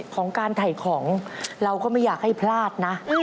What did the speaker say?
ของการถ่ายของเราก็ไม่อยากให้พลาดนะ